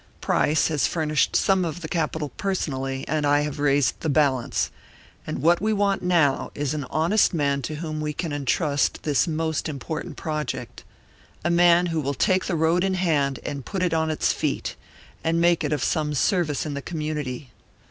Price has furnished some of the capital personally, and I have raised the balance; and what we want now is an honest man to whom we can entrust this most important project, a man who will take the road in hand and put it on its feet, and make it of some service in the community.